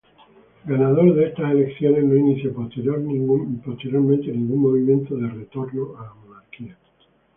Ganador de estas elecciones, no inició posteriormente ningún movimiento de retorno a la monarquía.